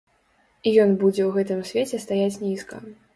І ён будзе ў гэтым свеце стаяць нізка.